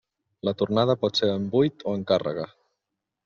La tornada pot ser en buit o amb càrrega.